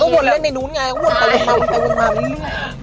เราก็วนเล่นในนู้นไงวนไปวนมากเรื่อย